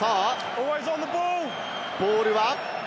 ボールは？